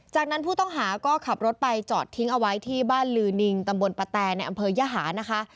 จากนั้นผู้ต้องหาก็ขับรถไปจอดทิ้งเอาไว้ที่บ้านลือนิงตำบลปะแตในอำเภอยหานะคะ